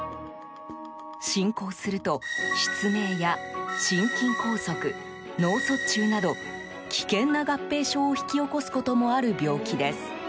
進行すると失明や心筋梗塞、脳卒中など危険な合併症を引き起こすこともある病気です。